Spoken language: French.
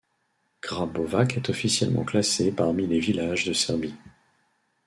Grabovac est officiellement classé parmi les villages de Serbie.